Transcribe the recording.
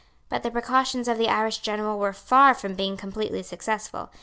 But the precautions of the Irish general were far from being completely successful.